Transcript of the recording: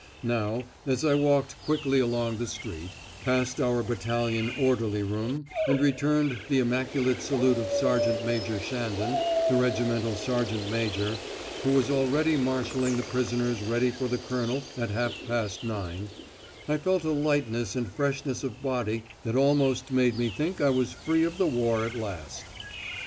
Now as I walked quickly along the street, past our battalion "orderly room," and returned the immaculate salute of Sergeant Major Shandon, the regimental sergeant major, who was already marshalling the prisoners ready for the Colonel at half past nine, I felt a lightness and freshness of body that almost made me think I was free of the war at last.